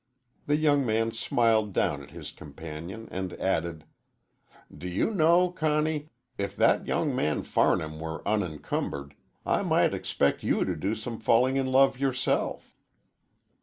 The young man smiled down at his companion and added: "Do you know, Conny, if that young man Farnham were unencumbered, I might expect you to do some falling in love, yourself."